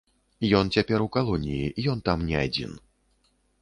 Ён цяпер у калоніі, ён там не адзін.